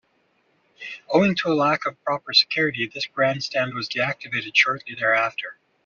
Owing to a lack of proper security, this grandstand was deactivated shortly thereafter.